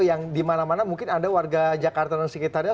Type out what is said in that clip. yang di mana mana mungkin ada warga jakarta dan sekitarnya